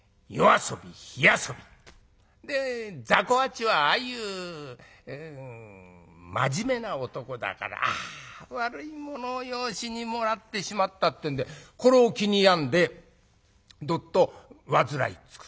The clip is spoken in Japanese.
でざこ八はああいう真面目な男だから『あ悪い者を養子にもらってしまった』ってんでこれを気に病んでどっと患いつく。